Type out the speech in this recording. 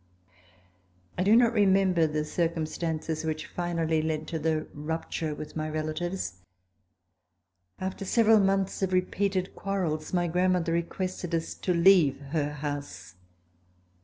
I do not remember the circumstances which finally led to the rupture with my relatives. After several months of repeated quarrels my grandmother re quested us to leave her house.